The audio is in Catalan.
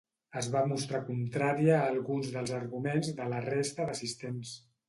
Es va mostrar contrària a alguns dels arguments de la resta d'assistents.